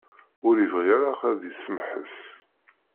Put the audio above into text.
Ur ibɣi ara ad d-isemḥes.